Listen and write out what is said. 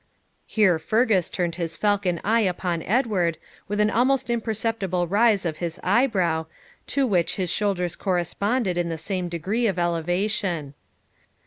Here Fergus turned his falcon eye upon Edward, with an almost imperceptible rise of his eyebrow, to which his shoulders corresponded in the same degree of elevation.